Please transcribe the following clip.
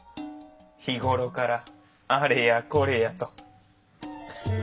日頃からあれやこれやと。